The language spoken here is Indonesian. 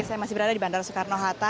saya masih berada di bandara soekarno hatta